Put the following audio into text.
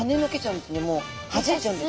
はじいちゃうんです。